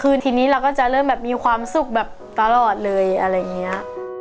ทีนี้เราก็จะเริ่มแบบมีความสุขแบบตลอดเลยอะไรอย่างนี้